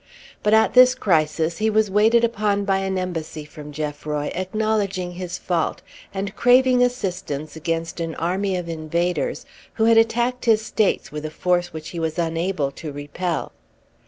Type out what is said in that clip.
But at this crisis he was waited upon by an embassy from Geoffroy, acknowledging his fault, and craving assistance against an army of invaders who had attacked his states with a force which he was unable to repel.